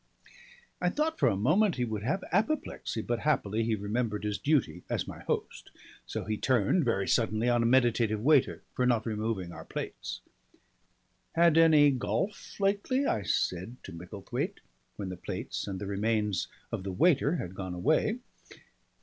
I thought for a moment he would have apoplexy, but happily he remembered his duty as my host. So he turned very suddenly on a meditative waiter for not removing our plates. "Had any golf lately?" I said to Micklethwaite, when the plates and the remains of the waiter had gone away.